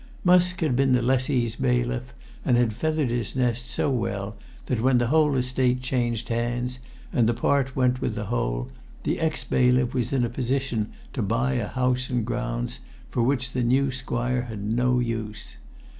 Musk had been the lessee's bailiff, and had feathered his nest so well that when the whole estate changed hands, and the part went with the whole, the ex bailiff was in a position to buy a house and grounds for which the new squire had no use.